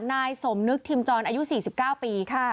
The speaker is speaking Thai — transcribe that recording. นายสมนึกทิมจรอายุ๔๙ปี